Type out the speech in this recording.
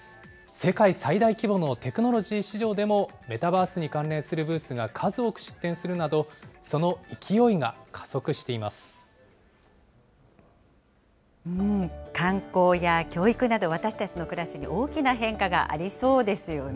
世界最大規模のテクノロジー市場でも、メタバースに関連するブースが数多く出展するなど、その勢いが加観光や教育など、私たちの暮らしに大きな変化がありそうですよね。